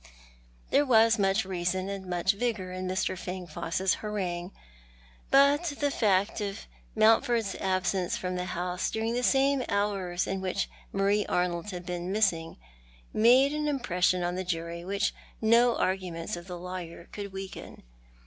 There was much reason and much vigour in Mr. Fangfoss's harangue, but the fact of I\Iountford's absence from the house during the same hours in which Marie Arnold had been missing made an impression upon the jury which no arguments of the lawyer could weaken.